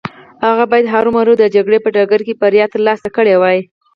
هغه بايد هرو مرو د جګړې په ډګر کې بريا ترلاسه کړې وای.